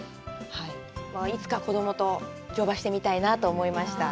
いつか子供と乗馬してみたいなと思いました。